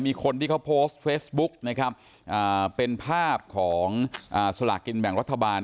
มีคนที่เขาโพสต์เฟซบุ๊กนะครับเป็นภาพของสลากกินแบ่งรัฐบาล